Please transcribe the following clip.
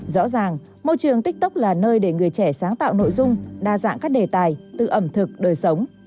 rõ ràng môi trường tiktok là nơi để người trẻ sáng tạo nội dung đa dạng các đề tài từ ẩm thực đời sống